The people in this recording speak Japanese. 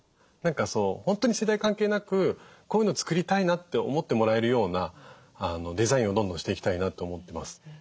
何か本当に世代関係なくこういうの作りたいなって思ってもらえるようなデザインをどんどんしていきたいなと思ってます。